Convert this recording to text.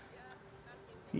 yang pertama kan kasus lama